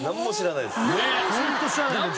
ホント知らないんで。